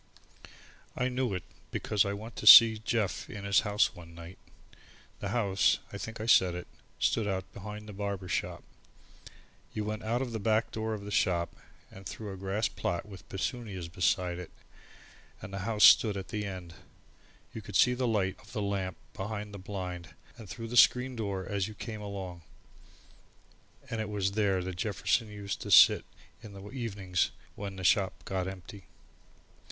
I knew it because I went in to see Jeff in his house one night. The house, I think I said it, stood out behind the barber shop. You went out of the back door of the shop, and through a grass plot with petunias beside it, and the house stood at the end. You could see the light of the lamp behind the blind, and through the screen door as you came along. And it was here that Jefferson used to sit in the evenings when the shop got empty.